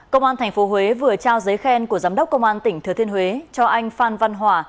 công an tp huế vừa trao giấy khen của giám đốc công an tỉnh thừa thiên huế cho anh phan văn hòa